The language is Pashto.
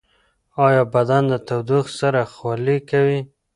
ایا بدن د تودوخې سره خولې کوي؟